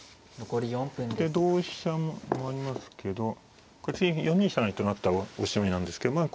で同飛車もありますけどこれ次４二飛車成と成ったらおしまいなんですけどまあ